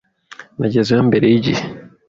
Nagezeyo mbere yigihe.